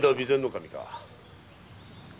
守か。